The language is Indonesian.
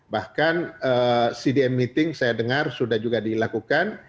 bahkan cdm meeting saya dengar sudah juga dilakukan